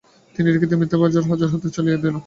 তিনি এটিকে মিত্ররাজ্য পাঞ্জার হাতে দিয়ে চলে গিয়েছিলেন।